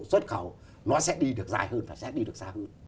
xuất khẩu nó sẽ đi được dài hơn và sẽ đi được xa hơn